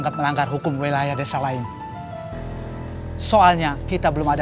apakah kamu mau dibuat hidup ini